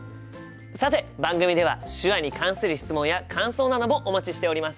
さて番組では手話に関する質問や感想などもお待ちしております。